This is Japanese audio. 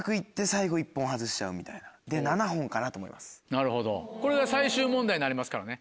なるほどこれが最終問題になりますからね。